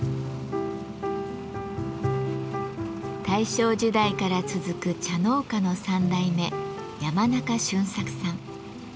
大正時代から続く茶農家の３代目山中俊作さん。